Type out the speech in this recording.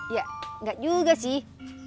ya gak juga sih